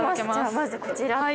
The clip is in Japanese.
まずこちらと。